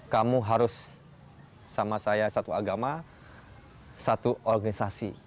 kamu harus sama saya satu agama satu organisasi